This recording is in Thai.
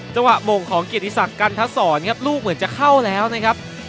จังหวะโมงของเกียรติศักดิ์กันทศรครับลูกเหมือนจะเข้าแล้วนะครับ